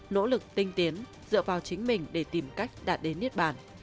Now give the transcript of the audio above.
nỗ lực tinh tiến dựa vào chính mình để tìm cách đạt đến niết bản